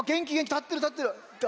たってるたってる！